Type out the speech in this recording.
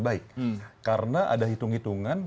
baik karena ada hitung hitungan